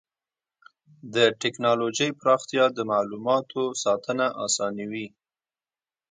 د ټکنالوجۍ پراختیا د معلوماتو ساتنه اسانوي.